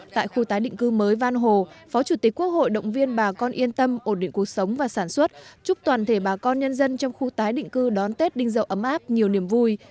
tại khu tái định cư mới van hồ phó chủ tịch quốc hội động viên bà con yên tâm ổn định cuộc sống và sản xuất chúc toàn thể bà con nhân dân trong khu tái định cư đón tết đinh dậu ấm áp nhiều niềm vui